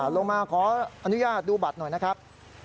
ลงมาขออนุญาตดูบัตรหน่อยนะครับ